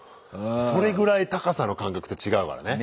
それぐらい高さの感覚って違うからね。